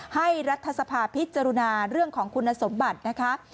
รัฐสภาพิจารณาเรื่องของคุณสมบัตินะคะ